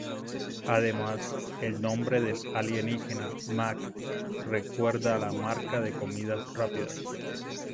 Además, el nombre del alienígena "Mac" recuerda a la marca de comida rápida.